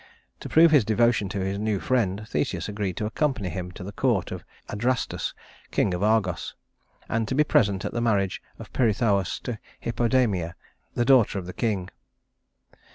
To prove his devotion to his new friend, Theseus agreed to accompany him to the court of Adrastus, king of Argos, and to be present at the marriage of Pirithous to Hippodamia, the daughter of the king.